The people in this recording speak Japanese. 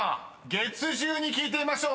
［月１０に聞いてみましょう。